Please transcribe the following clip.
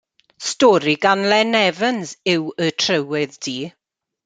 Stori gan Len Evans yw Y Trywydd Du.